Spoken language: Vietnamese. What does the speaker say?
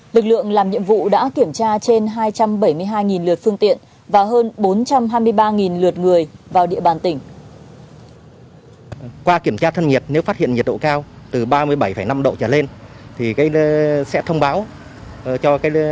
lực lượng làm nhiệm vụ đã kiểm tra trên hai chốt kiểm dịch